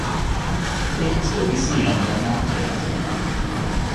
They can still be seen on their mountings.